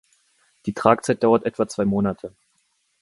Die Tragzeit dauert etwa zwei Monate.